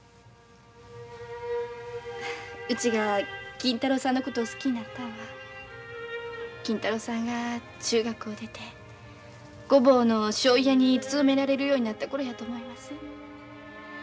うちが金太郎さんのことを好きになったんは金太郎さんが中学を出て御坊のしょうゆ屋に勤められるようになった頃やと思います。